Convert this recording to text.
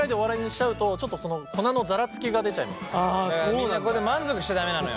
みんなここで満足しちゃ駄目なのよ。